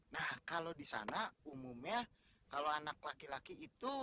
nah kalau disana umumnya kalau anak laki laki itu